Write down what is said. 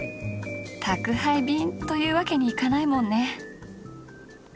宅配便というわけにいかないもんネ。